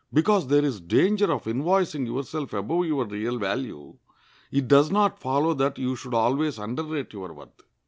Because there is danger of invoicing yourself above your real value, it does not follow that you should always underrate your worth.